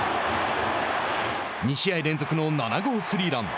２試合連続の７号スリーラン。